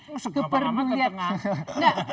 masuk ke perangkat tengah